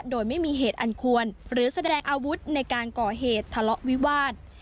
โดยไม่มีเหตุอันควรหรือแสดงอาวุธในการก่อเหตุทะเลาะวิวาส